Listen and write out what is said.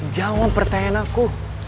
jawab pertanyaan aku